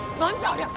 ありゃ！